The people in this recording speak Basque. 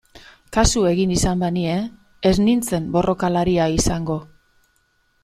Kasu egin izan banie ez nintzen borrokalaria izango...